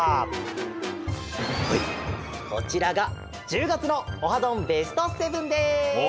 はいこちらが１０がつの「オハどん！ベスト７」です。